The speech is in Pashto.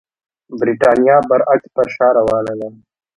برېټانیا برعکس پر شا روانه وه.